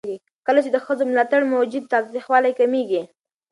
کله چې د ښځو ملاتړ موجود وي، تاوتريخوالی کمېږي.